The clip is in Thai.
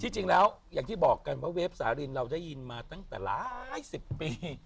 จริงแล้วอย่างที่บอกกันว่าเวฟสารินเราได้ยินมาตั้งแต่หลายสิบปี